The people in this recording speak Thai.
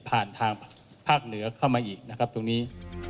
ผ่านทางภาคเหนือเข้ามาอีกตรงนี้